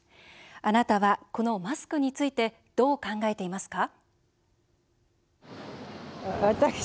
あなたは、このマスクについてどう考えていますか？